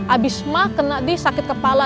abis mah kena dia sakit kepala